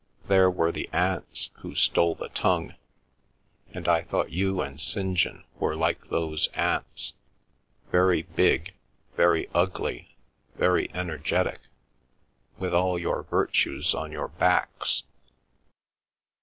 There were the ants who stole the tongue, and I thought you and St. John were like those ants—very big, very ugly, very energetic, with all your virtues on your backs.